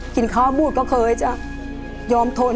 กินข้าวบูดก็เคยจะยอมทน